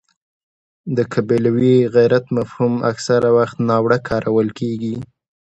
د قبیلوي غیرت مفهوم اکثره وخت ناوړه کارول کېږي.